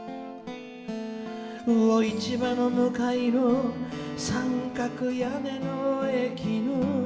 「魚市場の向かいの三角屋根の駅の」